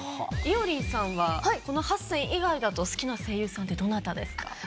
いおりんさんはこの８選以外だと好きな声優さんってどなたですか？